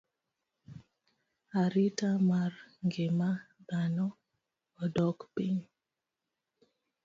Arita mar ngima dhano odok piny.